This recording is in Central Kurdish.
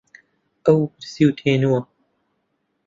ئەو برسی و تینووە.